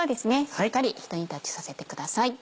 しっかりひと煮立ちさせてください。